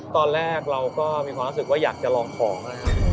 ตอนแรกเราก็มีความรู้สึกว่าอยากจะลองของนะครับ